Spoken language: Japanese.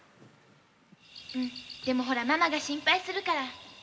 うん、でもほらママが心配するから。